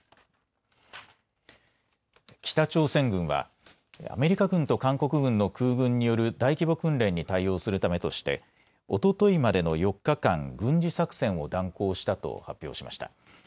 北朝鮮軍はアメリカ軍と韓国軍の空軍による大規模訓練に対応するためとしておとといまでの４日間、軍事作戦を断行したと発表しました。